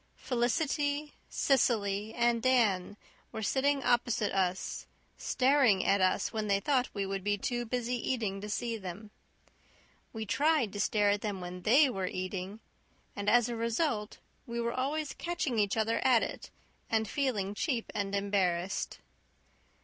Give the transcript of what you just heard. Felicity, Cecily, and Dan were sitting opposite us, staring at us when they thought we would be too busy eating to see them. We tried to stare at them when THEY were eating; and as a result we were always catching each other at it and feeling cheap and embarrassed.